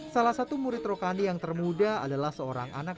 salah satu murid rokani yang termuda adalah seorang anak